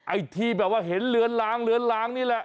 ไอ้ที่แบบว่าเห็นเหลือนหลางนี่แหละ